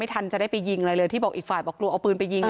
ทันจะได้ไปยิงอะไรเลยที่บอกอีกฝ่ายบอกกลัวเอาปืนไปยิง